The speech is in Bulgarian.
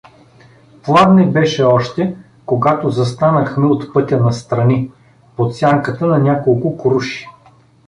Пладне беше още, когато застанахме от пътя настрани, под сянката на няколко круши.